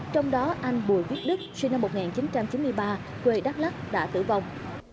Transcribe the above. trong đó anh bùi viết đức sinh năm một nghìn chín trăm chín mươi ba quê đắk lắc đã tử vong